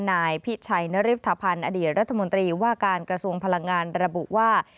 นายพิชัยนริพันธ์อดีตรัฐมนตรีว่าการกระทรวงพลังงานระบุว่า